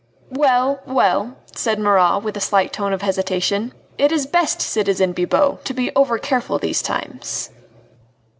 "Well! well!" said Marat, with a slight tone of hesitation, "it is best, citizen Bibot, to be over careful these times."